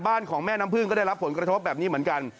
ของแม่น้ำพึ่งก็ได้รับผลกระทบแบบนี้เหมือนกัน